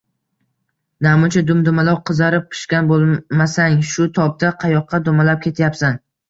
— Namuncha dum-dumaloq, qizarib pishgan bo’lmasang? Shu tobda qayoqqa dumalab ketyapsan?